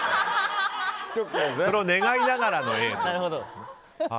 それを願いながらのＡと。